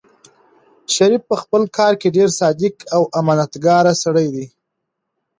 شریف په خپل کار کې ډېر صادق او امانتکار سړی و.